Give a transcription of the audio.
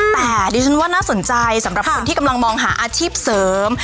แต่ดิฉันว่าน่าสนใจสำหรับคนที่กำลังมองหาอาชีพเสริม